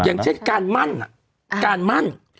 อย่างเช่นการมั่น